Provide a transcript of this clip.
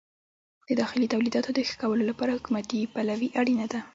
د داخلي تولیداتو د ښه کولو لپاره حکومتي پلوي اړینه ده.